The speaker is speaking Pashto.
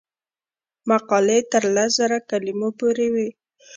مقالې تر لس زره کلمو پورې وي.